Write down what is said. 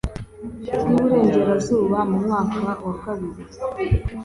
bw Iburengerazuba mu mwaka wa kabiri